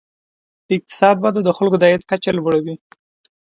د اقتصاد وده د خلکو د عاید کچه لوړوي.